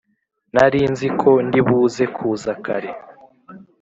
Narinziko ndi buze kuza kare